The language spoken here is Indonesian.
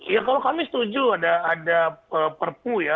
ya kalau kami setuju ada perpu ya